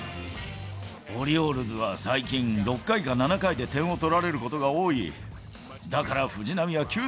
オリオールズは最近６回か７回で点を取られることが多い。